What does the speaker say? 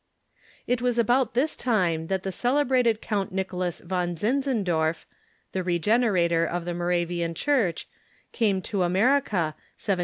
It was about this time that the celebrated Count Nicholas von Zinzendorf, the regenerator of the Moravian Church, came to America, 1741 42.